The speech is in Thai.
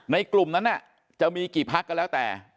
ในกลุ่มนั้นเนี่ยจะมีกี่ภักดิ์ก็แล้วแต่